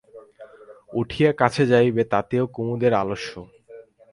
উঠিয়া কাছে যাইবে তাতেও কুমুদের আলস্য।